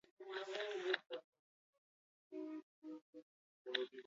Antsoaingo saioa hirugarren finalaurrekoa da.